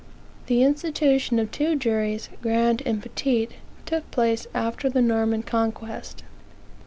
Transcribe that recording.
The institution of two juries, grand and petit, took place after the Norman Conquest.